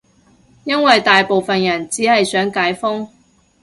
因爲大部分人只係想解封